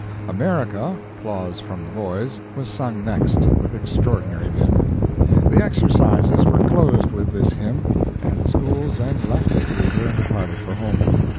"America" (applause from the boys) was sung next, with extraordinary vim. The exercises were closed with this hymn, and the Schools then left the theatre and departed for home.